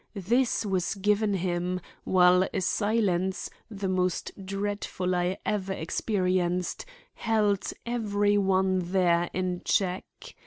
This was given him, while a silence, the most dreadful I ever experienced, held every one there in check.